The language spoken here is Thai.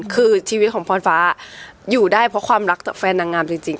คือชีวิตของพรฟ้าอยู่ได้เพราะความรักแฟนนางงามจริง